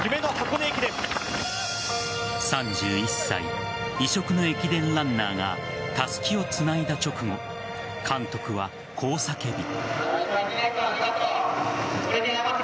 ３１歳、異色の駅伝ランナーがたすきをつないだ直後監督はこう叫び。